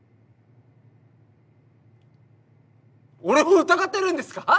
俺を疑ってるんですか！？